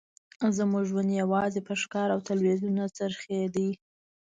زموږ ژوند یوازې په ښکار او تلویزیون راڅرخیده